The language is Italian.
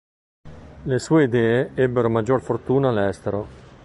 Le sue idee ebbero maggior fortuna all'estero.